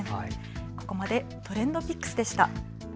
ここまでＴｒｅｎｄＰｉｃｋｓでした。